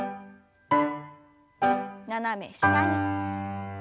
斜め下に。